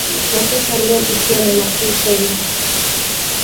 Mateso aliyopitia ni makuu ukweli